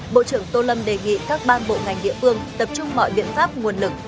bộ trưởng tô lâm đề nghị các ban bộ ngành địa phương tập trung mọi biện pháp nguồn lực